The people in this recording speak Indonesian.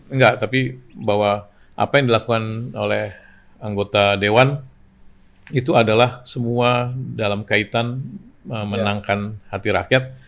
enggak tapi bahwa apa yang dilakukan oleh anggota dewan itu adalah semua dalam kaitan memenangkan hati rakyat